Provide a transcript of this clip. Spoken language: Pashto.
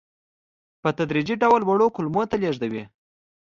په تدریجي ډول وړو کولمو ته لېږدوي.